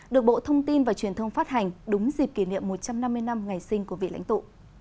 được bộ thông tin và truyền thông phát hành đúng dịp kỷ niệm một trăm năm mươi năm ngày sinh của vị lãnh tụ